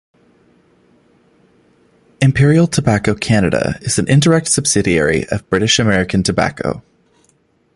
Imperial Tobacco Canada is an indirect subsidiary of British American Tobacco.